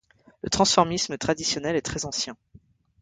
Le transformisme traditionnel est très ancien.